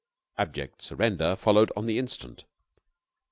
Abject surrender followed on the instant.